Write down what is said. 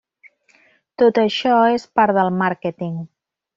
Tot això és part del màrqueting.